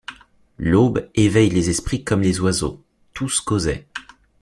L’aube éveille les esprits comme les oiseaux ; tous causaient.